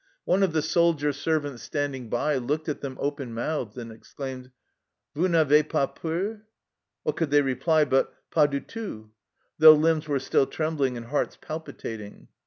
One of the soldier servants standing by looked at them open mouthed, and exclaimed :" Vous n'avez pas peur ?" What could they reply but, " Pas du tout," though limbs were still trembling and hearts palpi tating